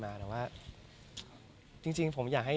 ก็มีไปคุยกับคนที่เป็นคนแต่งเพลงแนวนี้